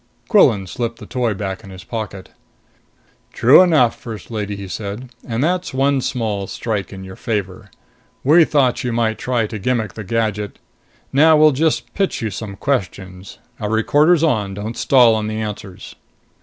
Quillan slipped the toy back in his pocket. "True enough, First Lady," he said. "And that's one small strike in your favor. We thought you might try to gimmick the gadget. Now we'll just pitch you some questions. A recorder's on. Don't stall on the answers."